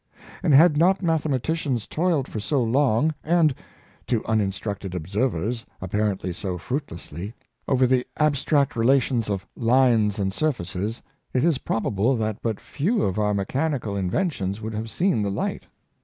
And had not mathematicians toiled for so long, and, to uninstructed observers, apparently so fruitlessly, over the abstract relations of lines and surfaces, it is probable that but few of our mechanical inventions would have seen the light.